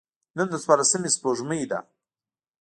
نن د څوارلسمي سپوږمۍ ده.